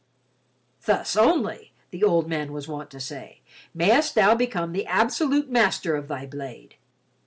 "Thus only," the old man was wont to say, "mayst thou become the absolute master of thy blade.